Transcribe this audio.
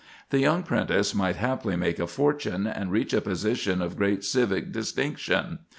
The young 'prentice might haply make a fortune, and reach a position of great civic distinction.